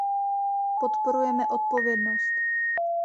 Podporujeme odpovědnost.